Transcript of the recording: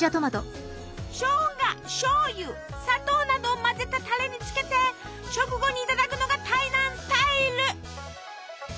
しょうがしょうゆ砂糖などを混ぜたタレにつけて食後にいただくのが台南スタイル！